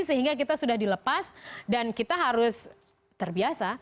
sehingga kita sudah dilepas dan kita harus terbiasa